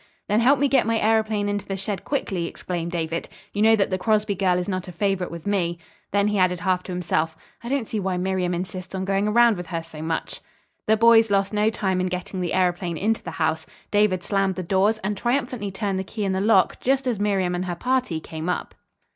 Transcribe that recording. "Then help me get my aëroplane into the shed quickly," exclaimed David. "You know that the Crosby girl is not a favorite with me." Then he added half to himself, "I don't see why Miriam insists on going around with her so much." The boys lost no time in getting the aëroplane into the house, David slammed the doors, and triumphantly turned the key in the lock just as Miriam and her party came up.